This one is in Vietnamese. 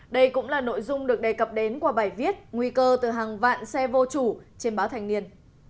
đây cũng là nội dung được đề cập đến qua bài viết nguy cơ từ hàng vạn xe vô chủ trên báo thành niên